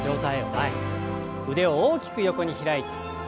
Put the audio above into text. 腕を大きく横に開いて。